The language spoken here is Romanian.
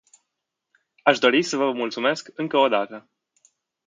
Aș dori să vă mulțumesc încă o dată.